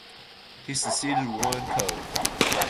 He succeeded Warren Keogh.